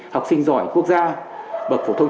học sinh giỏi quốc gia bậc phổ thông